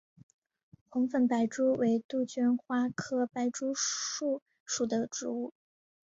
红粉白珠为杜鹃花科白珠树属的植物。